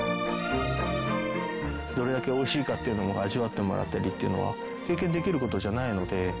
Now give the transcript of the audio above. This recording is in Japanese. どれだけおいしいかっていうのを味わってもらったりっていうのは経験できる事じゃないので。